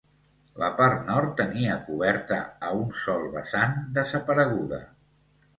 La part nord tenia coberta a un sol vessant, desapareguda.